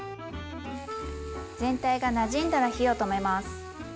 全体がなじんだら火を止めます。